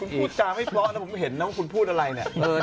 คุณพูดจาไม่เพราะนะผมเห็นนะว่าคุณพูดอะไรเนี่ย